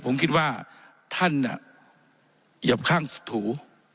ผมคิดว่าท่านอย่าข้างถู